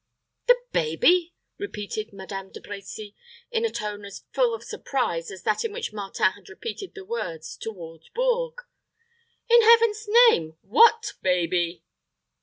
"The baby!" repeated Madame De Brecy, in a tone as full of surprise as that in which Martin had repeated the words "toward Bourges." "In Heaven's name, what baby?"